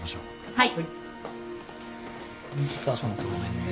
はい。